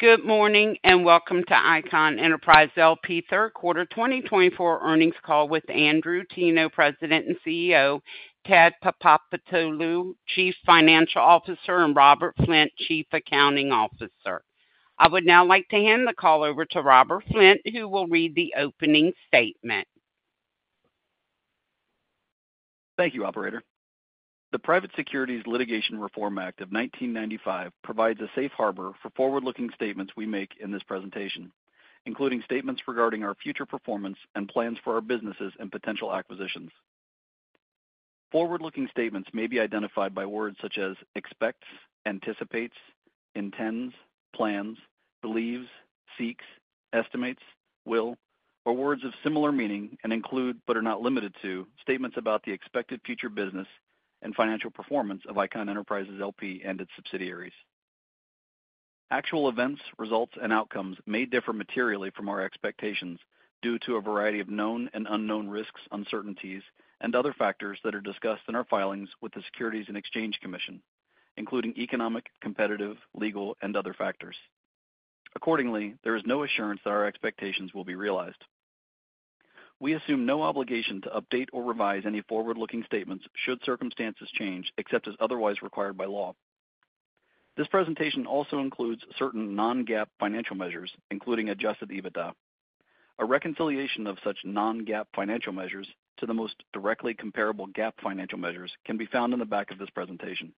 Good morning and welcome to Icahn Enterprises' third quarter 2024 earnings call with Andrew Teno, President and CEO; Ted Papapostolou, Chief Financial Officer; and Robert Flint, Chief Accounting Officer. I would now like to hand the call over to Robert Flint, who will read the opening statement. Thank you, Operator. The Private Securities Litigation Reform Act of 1995 provides a safe harbor for forward-looking statements we make in this presentation, including statements regarding our future performance and plans for our businesses and potential acquisitions. Forward-looking statements may be identified by words such as expects, anticipates, intends, plans, believes, seeks, estimates, will, or words of similar meaning and include, but are not limited to, statements about the expected future business and financial performance of Icahn Enterprises L.P. and its subsidiaries. Actual events, results, and outcomes may differ materially from our expectations due to a variety of known and unknown risks, uncertainties, and other factors that are discussed in our filings with the Securities and Exchange Commission, including economic, competitive, legal, and other factors. Accordingly, there is no assurance that our expectations will be realized. We assume no obligation to update or revise any forward-looking statements should circumstances change except as otherwise required by law. This presentation also includes certain non-GAAP financial measures, including adjusted EBITDA. A reconciliation of such non-GAAP financial measures to the most directly comparable GAAP financial measures can be found in the back of this presentation.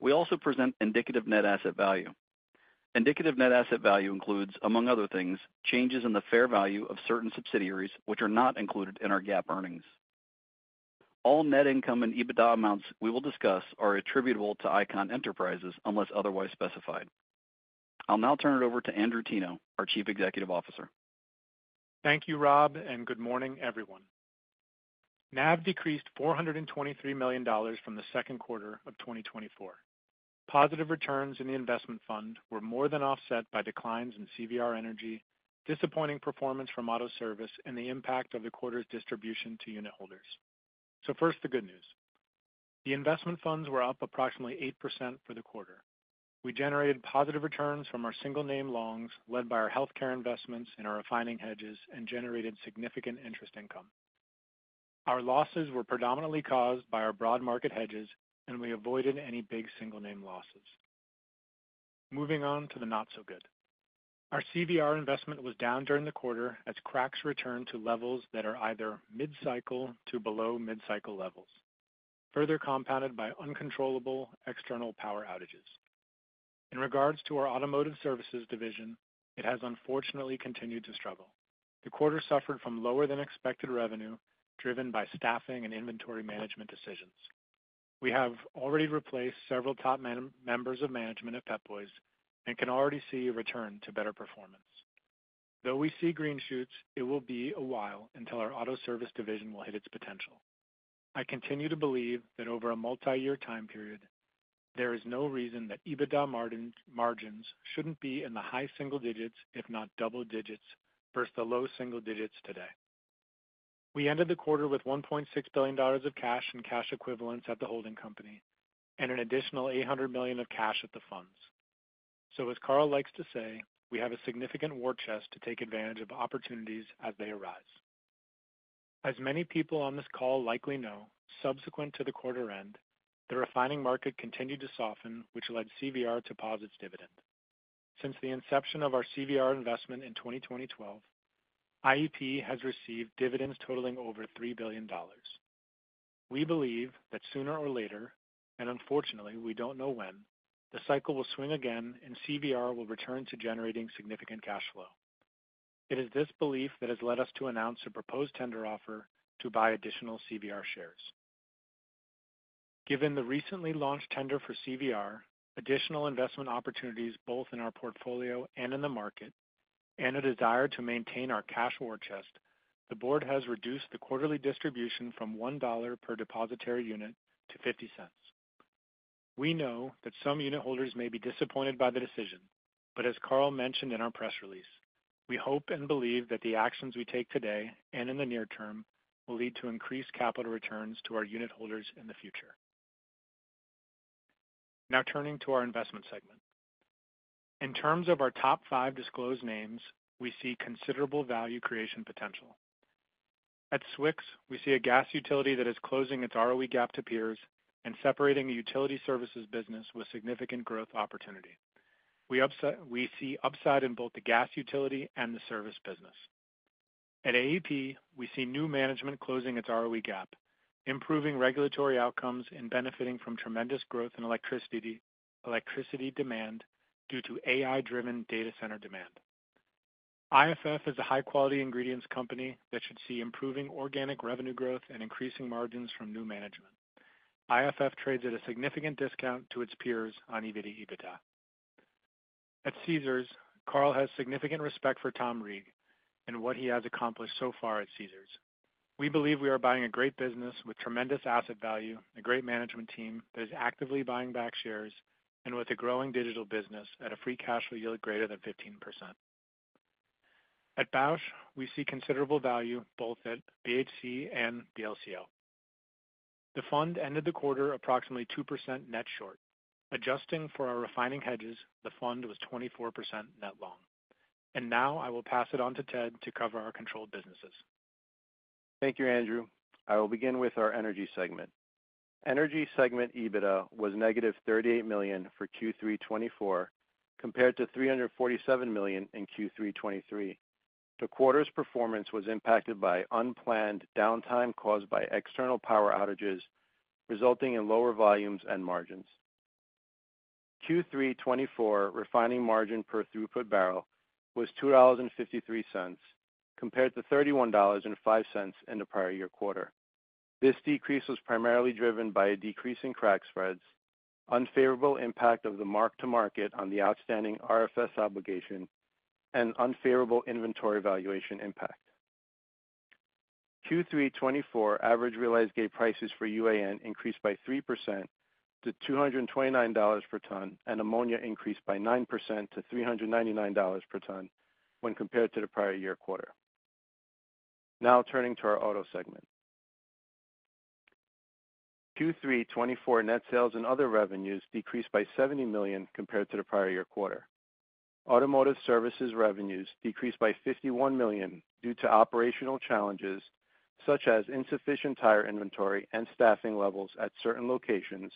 We also present Indicative Net Asset Value. Indicative Net Asset Value includes, among other things, changes in the fair value of certain subsidiaries which are not included in our GAAP earnings. All net income and EBITDA amounts we will discuss are attributable to Icahn Enterprises unless otherwise specified. I'll now turn it over to Andrew Teno, our Chief Executive Officer. Thank you, Rob, and good morning, everyone. NAV decreased $423 million from the second quarter of 2024. Positive returns in the investment fund were more than offset by declines in CVR Energy, disappointing performance from auto service, and the impact of the quarter's distribution to unit holders. So first, the good news. The investment funds were up approximately 8% for the quarter. We generated positive returns from our single-name loans led by our healthcare investments and our refining hedges and generated significant interest income. Our losses were predominantly caused by our broad market hedges, and we avoided any big single-name losses. Moving on to the not-so-good. Our CVR investment was down during the quarter as cracks returned to levels that are either mid-cycle to below mid-cycle levels, further compounded by uncontrollable external power outages. In regards to our automotive services division, it has unfortunately continued to struggle. The quarter suffered from lower-than-expected revenue driven by staffing and inventory management decisions. We have already replaced several top members of management at Pep Boys and can already see a return to better performance. Though we see green shoots, it will be a while until our auto service division will hit its potential. I continue to believe that over a multi-year time period, there is no reason that EBITDA margins shouldn't be in the high single digits, if not double digits, versus the low single digits today. We ended the quarter with $1.6 billion of cash and cash equivalents at the holding company and an additional $800 million of cash at the funds. So, as Carl likes to say, we have a significant war chest to take advantage of opportunities as they arise. As many people on this call likely know, subsequent to the quarter end, the refining market continued to soften, which led CVR to pass its dividend. Since the inception of our CVR investment in 2012, IEP has received dividends totaling over $3 billion. We believe that sooner or later, and unfortunately we don't know when, the cycle will swing again and CVR will return to generating significant cash flow. It is this belief that has led us to announce a proposed tender offer to buy additional CVR shares. Given the recently launched tender for CVR, additional investment opportunities both in our portfolio and in the market, and a desire to maintain our cash war chest, the board has reduced the quarterly distribution from $1 per depositary unit to $0.50. We know that some unit holders may be disappointed by the decision, but as Carl mentioned in our press release, we hope and believe that the actions we take today and in the near term will lead to increased capital returns to our unit holders in the future. Now turning to our investment segment. In terms of our top five disclosed names, we see considerable value creation potential. At Southwest Gas, we see a gas utility that is closing its ROE gap to peers and separating the utility services business with significant growth opportunity. We see upside in both the gas utility and the service business. At AEP, we see new management closing its ROE gap, improving regulatory outcomes and benefiting from tremendous growth in electricity demand due to AI-driven data center demand. IFF is a high-quality ingredients company that should see improving organic revenue growth and increasing margins from new management. IFF trades at a significant discount to its peers on EV/EBITDA. At Caesars, Carl has significant respect for Tom Reeg and what he has accomplished so far at Caesars. We believe we are buying a great business with tremendous asset value, a great management team that is actively buying back shares, and with a growing digital business at a free cash flow yield greater than 15%. At Bausch, we see considerable value both at BHC and BLCO. The fund ended the quarter approximately 2% net short. Adjusting for our refining hedges, the fund was 24% net long. And now I will pass it on to Ted to cover our controlled businesses. Thank you, Andrew. I will begin with our energy segment. Energy segment EBITDA was negative $38 million for Q3 2024, compared to $347 million in Q3 2023. The quarter's performance was impacted by unplanned downtime caused by external power outages, resulting in lower volumes and margins. Q3 2024 refining margin per throughput barrel was $2.53, compared to $31.05 in the prior year quarter. This decrease was primarily driven by a decrease in crack spreads, unfavorable impact of the mark-to-market on the outstanding RFS obligation, and unfavorable inventory valuation impact. Q3 2024 average realized gate prices for UAN increased by 3% to $229 per ton, and ammonia increased by 9% to $399 per ton when compared to the prior year quarter. Now turning to our auto segment. Q3 2024 net sales and other revenues decreased by $70 million compared to the prior year quarter. Automotive services revenues decreased by $51 million due to operational challenges such as insufficient tire inventory and staffing levels at certain locations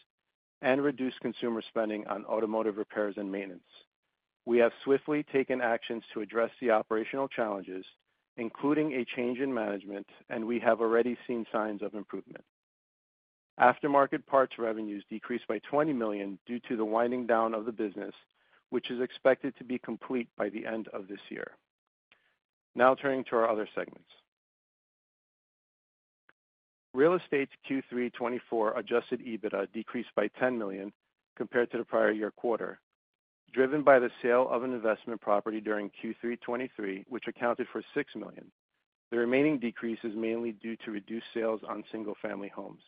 and reduced consumer spending on automotive repairs and maintenance. We have swiftly taken actions to address the operational challenges, including a change in management, and we have already seen signs of improvement. Aftermarket parts revenues decreased by $20 million due to the winding down of the business, which is expected to be complete by the end of this year. Now turning to our other segments. Real estate's Q3 2024 adjusted EBITDA decreased by $10 million compared to the prior year quarter, driven by the sale of an investment property during Q3 2023, which accounted for $6 million. The remaining decrease is mainly due to reduced sales on single-family homes.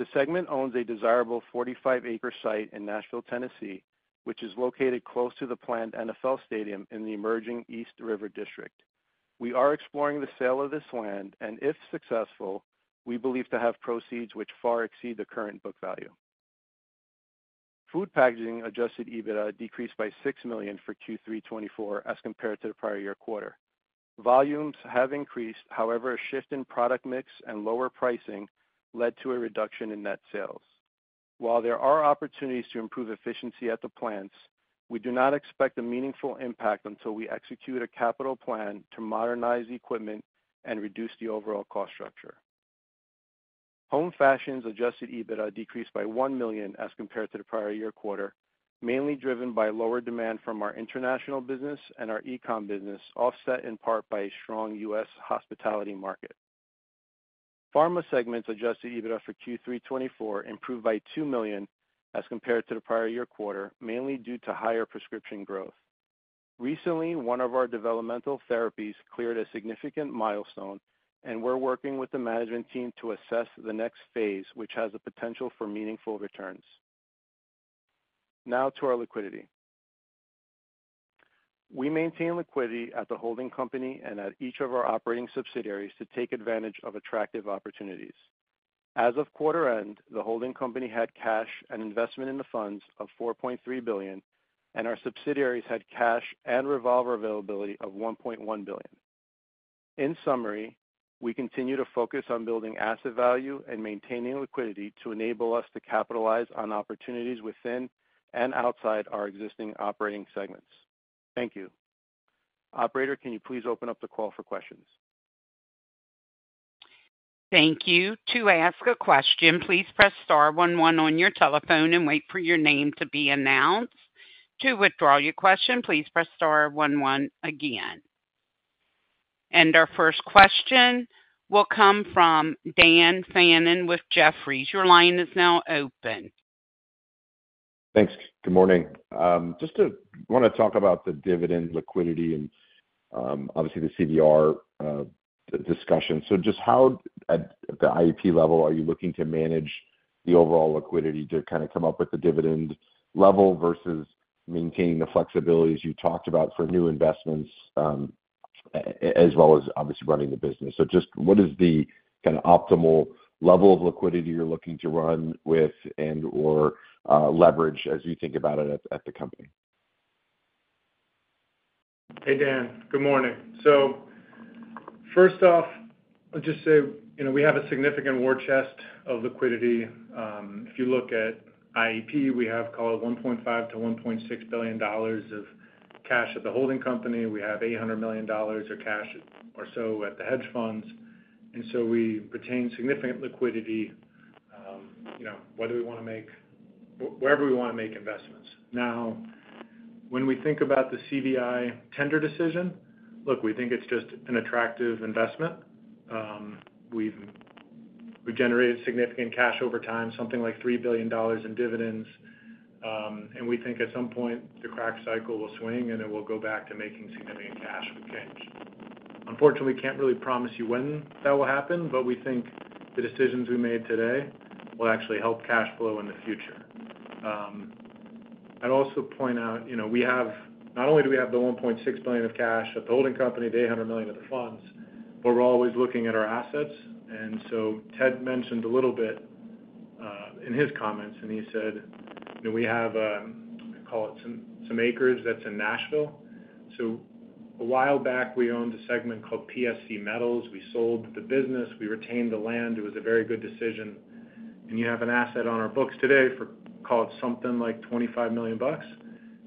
The segment owns a desirable 45-acre site in Nashville, Tennessee, which is located close to the planned NFL Stadium in the emerging East River District. We are exploring the sale of this land, and if successful, we believe to have proceeds which far exceed the current book value. Food packaging adjusted EBITDA decreased by $6 million for Q3 2024 as compared to the prior year quarter. Volumes have increased. However, a shift in product mix and lower pricing led to a reduction in net sales. While there are opportunities to improve efficiency at the plants, we do not expect a meaningful impact until we execute a capital plan to modernize equipment and reduce the overall cost structure. Home fashion's Adjusted EBITDA decreased by $1 million as compared to the prior year quarter, mainly driven by lower demand from our international business and our e-com business, offset in part by a strong U.S. hospitality market. Pharma segment's Adjusted EBITDA for Q3 2024 improved by $2 million as compared to the prior year quarter, mainly due to higher prescription growth. Recently, one of our developmental therapies cleared a significant milestone, and we're working with the management team to assess the next phase, which has the potential for meaningful returns. Now to our liquidity. We maintain liquidity at the holding company and at each of our operating subsidiaries to take advantage of attractive opportunities. As of quarter end, the holding company had cash and investment in the funds of $4.3 billion, and our subsidiaries had cash and revolver availability of $1.1 billion.In summary, we continue to focus on building asset value and maintaining liquidity to enable us to capitalize on opportunities within and outside our existing operating segments. Thank you. Operator, can you please open up the call for questions? Thank you. To ask a question, please press star 11 on your telephone and wait for your name to be announced. To withdraw your question, please press star 11 again. And our first question will come from Dan Fannon with Jefferies. Your line is now open. Thanks. Good morning. Just want to talk about the dividend liquidity and obviously the CVR discussion. So just how, at the IEP level, are you looking to manage the overall liquidity to kind of come up with the dividend level versus maintaining the flexibilities you talked about for new investments, as well as obviously running the business? So just what is the kind of optimal level of liquidity you're looking to run with and/or leverage as you think about it at the company? Hey, Dan. Good morning. So first off, I'll just say we have a significant war chest of liquidity. If you look at IEP, we have called $1.5-$1.6 billion of cash at the holding company. We have $800 million of cash or so at the hedge funds. And so we retain significant liquidity whether we want to make wherever we want to make investments. Now, when we think about the CVR tender decision, look, we think it's just an attractive investment. We've generated significant cash over time, something like $3 billion in dividends. And we think at some point the crack cycle will swing and it will go back to making significant cash with change. Unfortunately, we can't really promise you when that will happen, but we think the decisions we made today will actually help cash flow in the future. I'd also point out we have not only do we have the $1.6 billion of cash at the holding company, the $800 million of the funds, but we're always looking at our assets. And so Ted mentioned a little bit in his comments, and he said we have, I call it, some acreage that's in Nashville. So a while back, we owned a segment called PSC Metals. We sold the business. We retained the land. It was a very good decision. And you have an asset on our books today for, call it, something like $25 million bucks.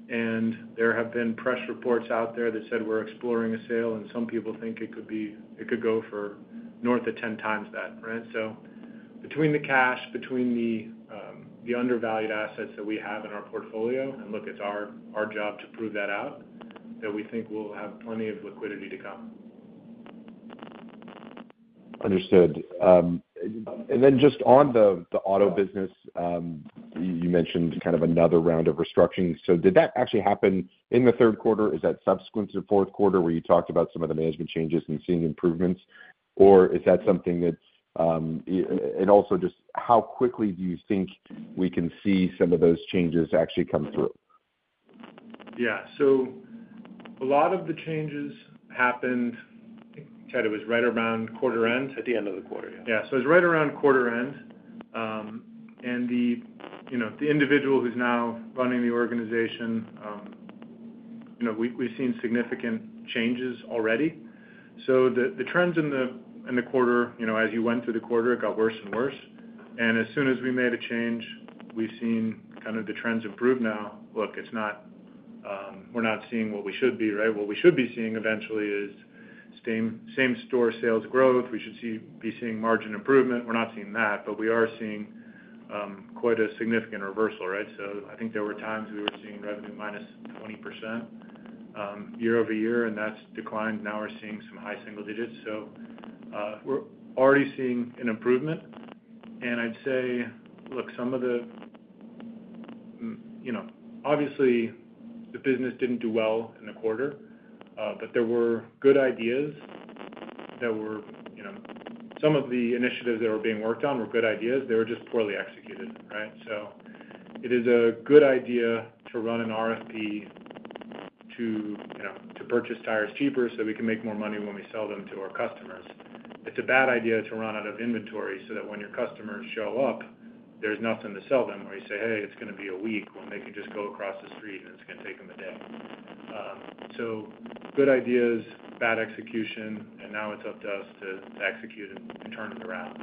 And there have been press reports out there that said we're exploring a sale, and some people think it could go for north of 10 times that, right? Between the cash, between the undervalued assets that we have in our portfolio, and look, it's our job to prove that out, that we think we'll have plenty of liquidity to come. Understood, and then just on the auto business, you mentioned kind of another round of restructuring. So, did that actually happen in the third quarter? Is that subsequent to the fourth quarter where you talked about some of the management changes and seeing improvements? Or is that something that, and also, just how quickly do you think we can see some of those changes actually come through? Yeah. So a lot of the changes happened, I think Ted was right around quarter end. At the end of the quarter, yeah. Yeah. So it was right around quarter end. And the individual who's now running the organization, we've seen significant changes already. So the trends in the quarter, as you went through the quarter, it got worse and worse. And as soon as we made a change, we've seen kind of the trends improve now. Look, we're not seeing what we should be, right? What we should be seeing eventually is same store sales growth. We should be seeing margin improvement. We're not seeing that, but we are seeing quite a significant reversal, right? So I think there were times we were seeing revenue minus 20% year-over-year, and that's declined. Now we're seeing some high single digits. So we're already seeing an improvement. And I'd say, look. Some of the, obviously, the business didn't do well in the quarter, but there were good ideas. Some of the initiatives that were being worked on were good ideas. They were just poorly executed, right? So it is a good idea to run an RFP to purchase tires cheaper so we can make more money when we sell them to our customers. It's a bad idea to run out of inventory so that when your customers show up, there's nothing to sell them, where you say, "Hey, it's going to be a week," when they can just go across the street and it's going to take them a day. So good ideas, bad execution, and now it's up to us to execute and turn it around.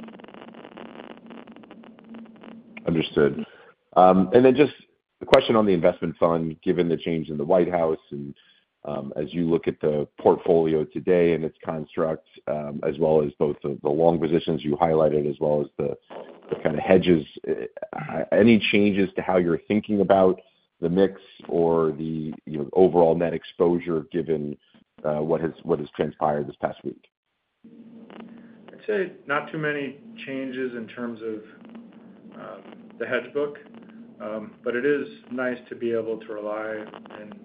Understood. And then just a question on the investment fund, given the change in the White House and as you look at the portfolio today and its construct, as well as both of the long positions you highlighted, as well as the kind of hedges. Any changes to how you're thinking about the mix or the overall net exposure given what has transpired this past week? I'd say not too many changes in terms of the hedge book, but it is nice to be able to rely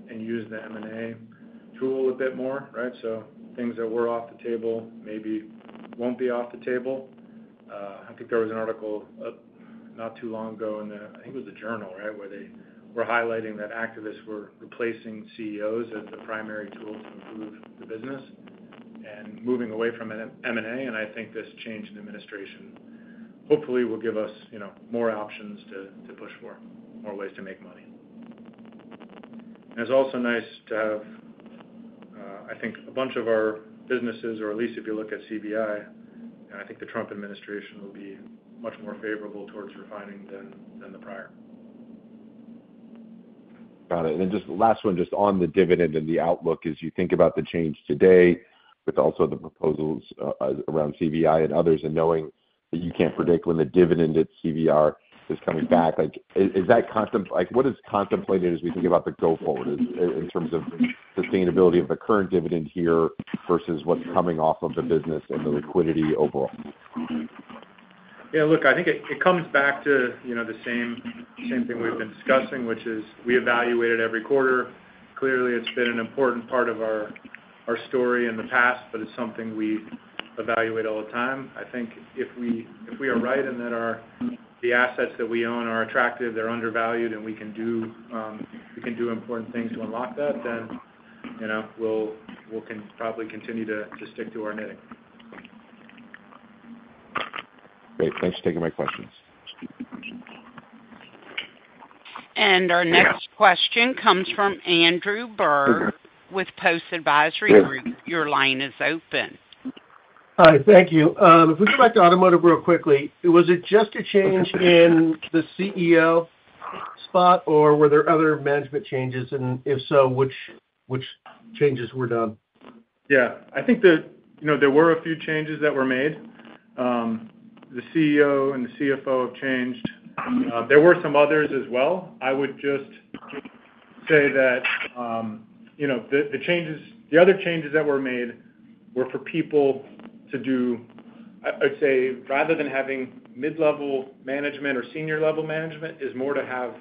and use the M&A tool a bit more, right? So things that were off the table maybe won't be off the table. I think there was an article not too long ago in the, I think it was the journal, right, where they were highlighting that activists were replacing CEOs as the primary tool to improve the business and moving away from M&A. And I think this change in administration hopefully will give us more options to push for, more ways to make money. And it's also nice to have, I think, a bunch of our businesses, or at least if you look at CVR, and I think the Trump administration will be much more favorable towards refining than the prior. Got it. And then just the last one, just on the dividend and the outlook, as you think about the change today with also the proposals around CVR and others and knowing that you can't predict when the dividend at CVR is coming back, is that what is contemplated as we think about the go forward in terms of sustainability of the current dividend here versus what's coming off of the business and the liquidity overall? Yeah. Look, I think it comes back to the same thing we've been discussing, which is we evaluate it every quarter. Clearly, it's been an important part of our story in the past, but it's something we evaluate all the time. I think if we are right and that the assets that we own are attractive, they're undervalued, and we can do important things to unlock that, then we'll probably continue to stick to our knitting. Great. Thanks for taking my questions. Our next question comes from Andrew Berg with Post Advisory. Your line is open. Hi. Thank you. If we go back to automotive really quickly, was it just a change in the CEO spot, or were there other management changes? And if so, which changes were done? Yeah. I think there were a few changes that were made. The CEO and the CFO have changed. There were some others as well. I would just say that the other changes that were made were for people to do, I would say, rather than having mid-level management or senior-level management, it is more to have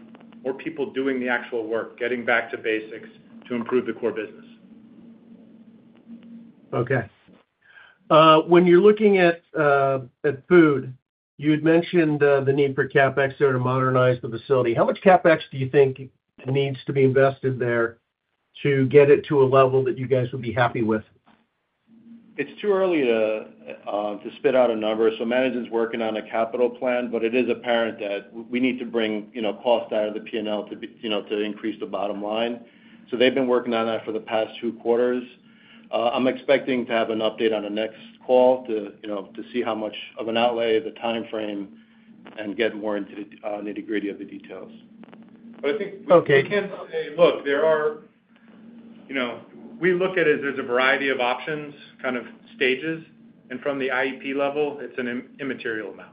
more people doing the actual work, getting back to basics to improve the core business. Okay. When you're looking at food, you had mentioned the need for CapEx there to modernize the facility. How much CapEx do you think needs to be invested there to get it to a level that you guys would be happy with? It's too early to spit out a number. So management's working on a capital plan, but it is apparent that we need to bring cost out of the P&L to increase the bottom line. So they've been working on that for the past two quarters. I'm expecting to have an update on a next call to see how much of an outlay of the timeframe and get more into the nitty-gritty of the details. But I think we can say, look, we look at it as there's a variety of options, kind of stages. And from the IEP level, it's an immaterial amount.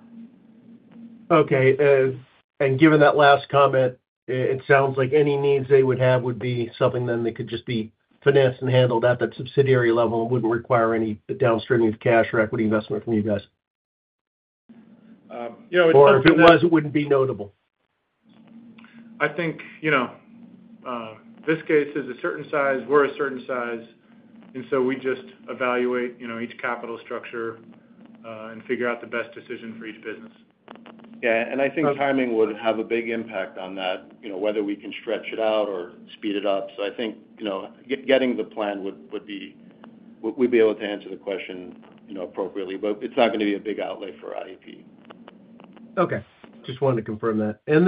Okay. And given that last comment, it sounds like any needs they would have would be something then that could just be financed and handled at that subsidiary level and wouldn't require any downstream of cash or equity investment from you guys. You know. Or if it was, it wouldn't be notable. I think Viskase is a certain size. We're a certain size, and so we just evaluate each capital structure and figure out the best decision for each business. Yeah. And I think timing would have a big impact on that, whether we can stretch it out or speed it up. So I think getting the plan would be we'd be able to answer the question appropriately, but it's not going to be a big outlay for IEP. Okay. Just wanted to confirm that. And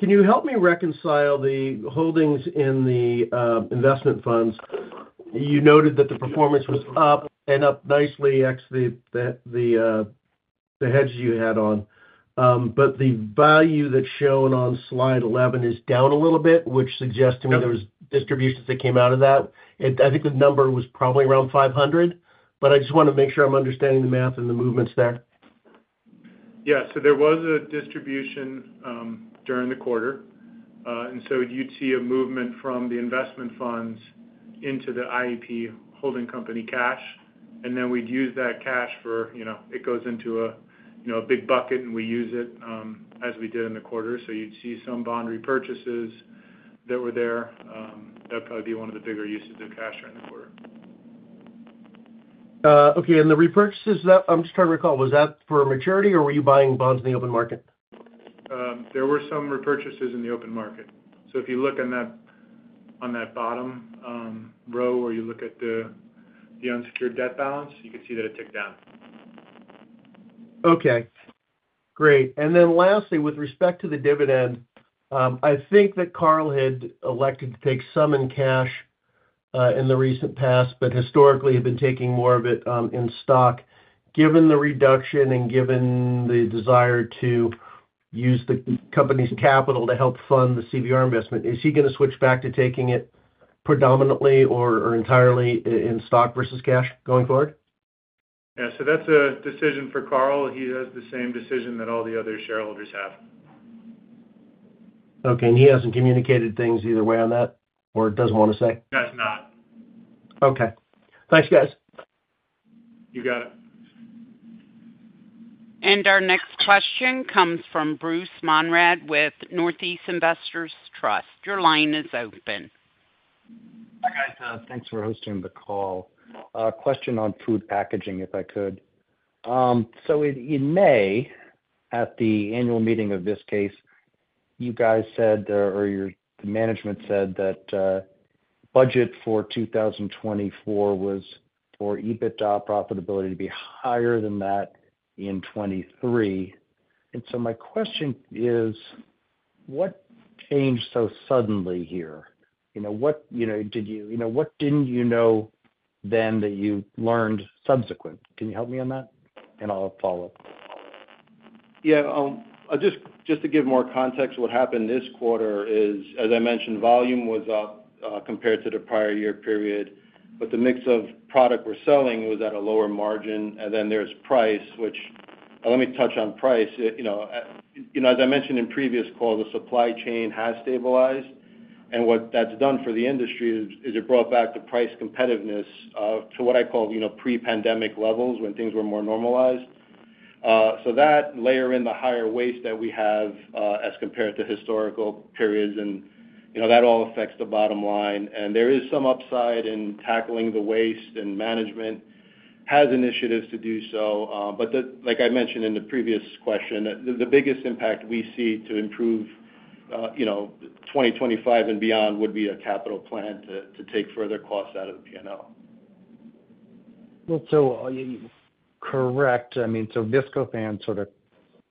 then can you help me reconcile the holdings in the investment funds? You noted that the performance was up and up nicely ex the hedge you had on. But the value that's shown on slide 11 is down a little bit, which suggests to me there was distributions that came out of that. I think the number was probably around 500, but I just want to make sure I'm understanding the math and the movements there. Yeah. So there was a distribution during the quarter, and so you'd see a movement from the investment funds into the IEP holding company cash, and then we'd use that cash, for it goes into a big bucket, and we use it as we did in the quarter, so you'd see some bond repurchases that were there. That'd probably be one of the bigger uses of cash during the quarter. Okay, and the repurchases, I'm just trying to recall, was that for maturity or were you buying bonds in the open market? There were some repurchases in the open market. So if you look on that bottom row where you look at the unsecured debt balance, you could see that it ticked down. Okay. Great. And then lastly, with respect to the dividend, I think that Carl had elected to take some in cash in the recent past, but historically had been taking more of it in stock. Given the reduction and given the desire to use the company's capital to help fund the CVR investment, is he going to switch back to taking it predominantly or entirely in stock versus cash going forward? Yeah. So that's a decision for Carl. He has the same decision that all the other shareholders have. Okay. And he hasn't communicated things either way on that or doesn't want to say? He has not. Okay. Thanks, guys. You got it. And our next question comes from Bruce Monrad with Northeast Investors Trust. Your line is open. Hi, guys. Thanks for hosting the call. Question on food packaging, if I could. So in May, at the annual meeting of Viskase, you guys said or the management said that budget for 2024 was for EBITDA profitability to be higher than that in 2023. And so my question is, what changed so suddenly here? What didn't you know then that you learned subsequent? Can you help me on that? And I'll follow up. Yeah. Just to give more context, what happened this quarter is, as I mentioned, volume was up compared to the prior year period, but the mix of product we're selling was at a lower margin. And then there's price, which let me touch on price. As I mentioned in previous calls, the supply chain has stabilized. And what that's done for the industry is it brought back the price competitiveness to what I call pre-pandemic levels when things were more normalized. So that layer in the higher waste that we have as compared to historical periods, and that all affects the bottom line. And there is some upside in tackling the waste, and management has initiatives to do so. But like I mentioned in the previous question, the biggest impact we see to improve 2025 and beyond would be a capital plan to take further costs out of the P&L. Well, so correct. I mean, so Viscofan sort of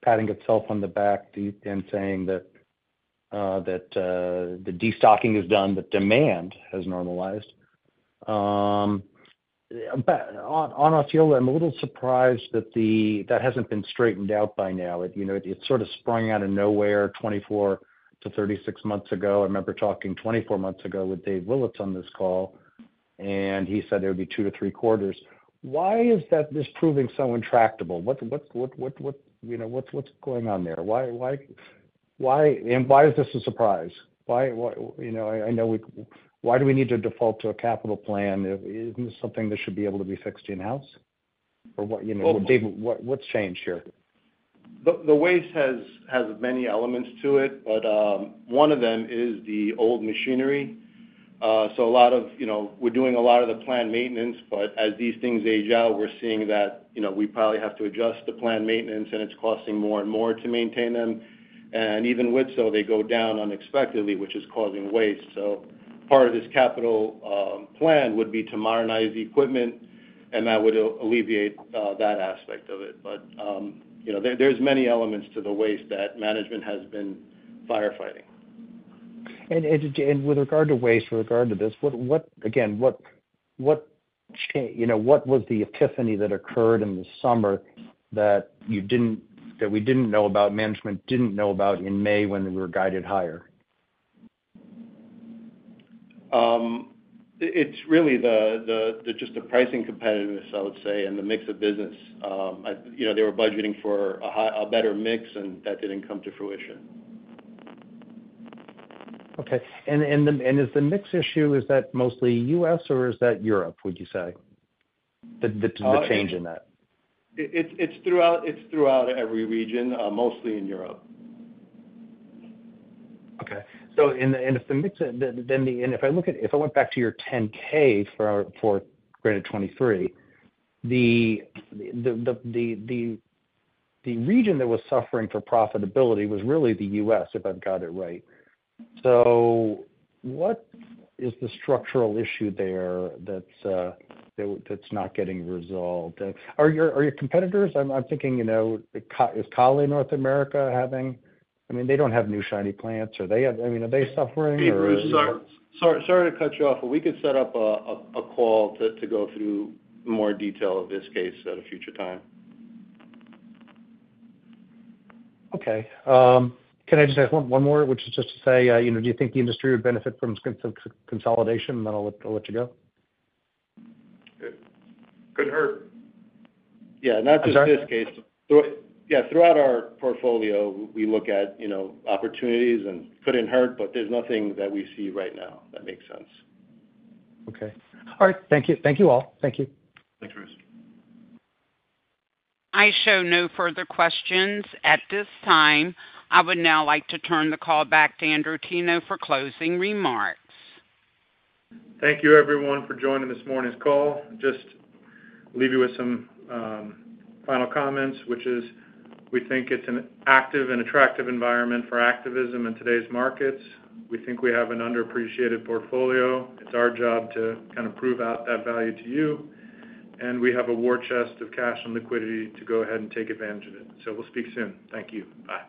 patting itself on the back and saying that the destocking is done, but demand has normalized. On Osceola, I'm a little surprised that that hasn't been straightened out by now. It sort of sprung out of nowhere 24-36 months ago. I remember talking 24 months ago with Dave Willetts on this call, and he said there would be two to three quarters. Why is that problem so intractable? What's going on there? And why is this a surprise? I know, why do we need to default to a capital plan? Isn't this something that should be able to be fixed in-house? Or what's changed here? The waste has many elements to it, but one of them is the old machinery. So a lot of what we're doing is a lot of the planned maintenance, but as these things age out, we're seeing that we probably have to adjust the planned maintenance, and it's costing more and more to maintain them. And even so, they go down unexpectedly, which is causing waste. So part of this capital plan would be to modernize the equipment, and that would alleviate that aspect of it. But there's many elements to the waste that management has been firefighting. With regard to waste, with regard to this, again, what was the epiphany that occurred in the summer that we didn't know about, management didn't know about in May when we were guided higher? It's really just the pricing competitiveness, I would say, and the mix of business. They were budgeting for a better mix, and that didn't come to fruition. Okay. And is the mix issue, is that mostly U.S., or is that Europe, would you say, the change in that? It's throughout every region, mostly in Europe. Okay. So if the mix, then if I look at if I went back to your 10-K for 2023, the region that was suffering for profitability was really the U.S., if I've got it right. So what is the structural issue there that's not getting resolved? Are your competitors, I'm thinking, is Kalle North America having? I mean, they don't have new shiny plants. Are they suffering or? Sorry to cut you off, but we could set up a call to go through more detail of Viskase at a future time. Okay. Can I just ask one more, which is just to say, do you think the industry would benefit from some consolidation? And then I'll let you go. Couldn't hurt. I'm sorry. Yeah. Not just Viskase. Yeah. Throughout our portfolio, we look at opportunities and couldn't hurt, but there's nothing that we see right now that makes sense. Okay. All right. Thank you. Thank you all. Thank you. Thanks, Bruce. I show no further questions at this time. I would now like to turn the call back to Andrew Teno for closing remarks. Thank you, everyone, for joining this morning's call. Just leave you with some final comments, which is we think it's an active and attractive environment for activism in today's markets. We think we have an underappreciated portfolio. It's our job to kind of prove out that value to you, and we have a war chest of cash and liquidity to go ahead and take advantage of it, so we'll speak soon. Thank you. Bye.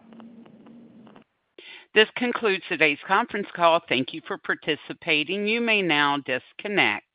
This concludes today's conference call. Thank you for participating. You may now disconnect.